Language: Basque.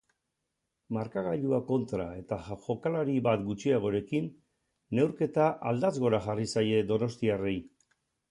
Markagailua kontra eta jokalari bat gutxiagorekin, neurketa aldats gora jarri zaie donostiarrei.